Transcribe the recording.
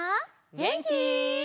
げんき？